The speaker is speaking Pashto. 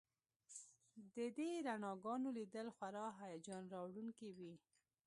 د دې رڼاګانو لیدل خورا هیجان راوړونکي وي